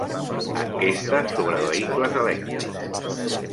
Enquesta sobre vehicles elèctrics.